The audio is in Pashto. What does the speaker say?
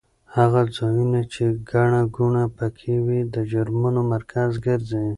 هغه ځایونه چې ګڼه ګوڼه پکې وي د جرمونو مرکز ګرځي.